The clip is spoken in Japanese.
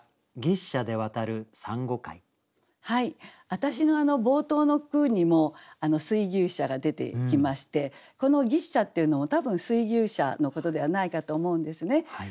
私の冒頭の句にも「水牛車」が出てきましてこの「牛車」っていうのも多分水牛車のことではないかと思うんですね。